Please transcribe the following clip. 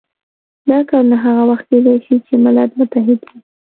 دا کارونه هغه وخت کېدای شي چې ملت متحد وي.